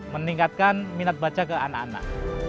meningkatkan minat baca ke anak anak